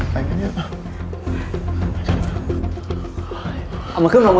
ช่วยกันช่วยหน่อย